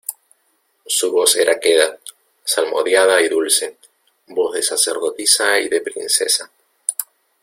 su voz era queda, salmodiada y dulce , voz de sacerdotisa y de princesa.